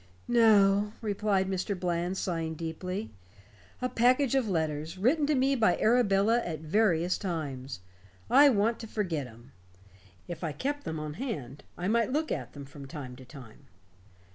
"No," replied Mr. Bland, sighing deeply. "A package of letters, written to me by Arabella at various times. I want to forget 'em. If I kept them on hand, I might look at them from time to time.